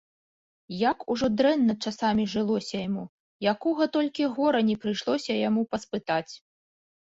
Як ужо дрэнна часамі жылося яму, якога толькі гора не прыйшлося яму паспытаць!